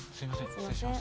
失礼します。